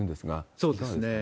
そうですね。